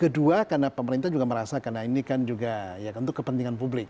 kedua karena pemerintah juga merasa karena ini kan juga ya tentu kepentingan publik